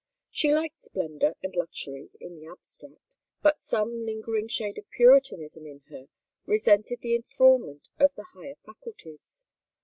She liked splendor and luxury in the abstract, but some lingering shade of Puritanism in her resented the enthralment of the higher faculties.